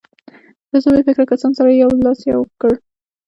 له څو بې فکرو کسانو سره یې لاس یو کړ.